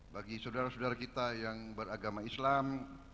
bagi saudara saudara kita yang beragama islam